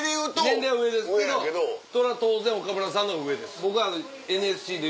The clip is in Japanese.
年齢は上ですけどそら当然岡村さんの方が上です。